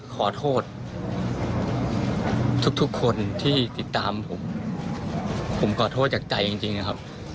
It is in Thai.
ขอโทษทุกคนที่ติดตามผมผมขอโทษจากใจจริงนะครับ